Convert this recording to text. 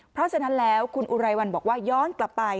เพราะฉะนั้นแล้วคุณอุไรวันบอกว่าย้อนกลับไป